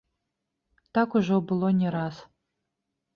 Так ужо было не раз.